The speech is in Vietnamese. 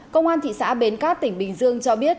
công an thị xã bến cát tỉnh bình dương cho biết